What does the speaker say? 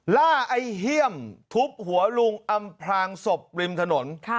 ล่าไอ้เหี้ยมถูบหัวลุงอำบางศพริมถนน